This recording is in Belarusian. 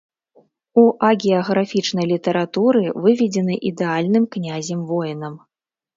У агіяграфічнай літаратуры выведзены ідэальным князем-воінам.